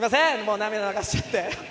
涙を流しちゃって。